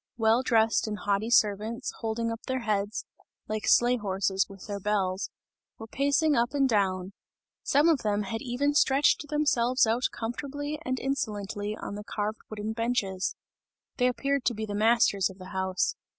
Well dressed and haughty servants, holding up their heads, (like sleigh horses with their bells,) were pacing up and down; some of them had even stretched themselves out comfortably and insolently on the carved wooden benches; they appeared to be the masters of the house.